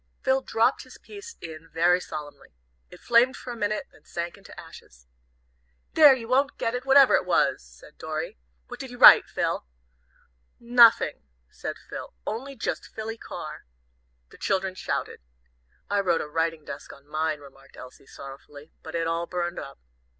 Phil dropped his piece in very solemnly. It flamed for a minute, then sank into ashes. "There, you won't get it, whatever it was!" said Dorry. "What did you write, Phil?" "Nofing," said Phil, "only just Philly Carr." The children shouted. "I wrote 'a writing desk' on mine," remarked Elsie, sorrowfully, "but it all burned up."